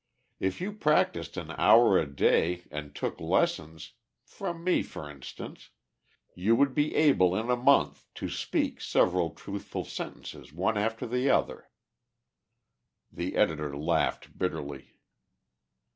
If you practiced an hour a day, and took lessons from me, for instance you would be able in a month to speak several truthful sentences one after the other." The editor laughed bitterly.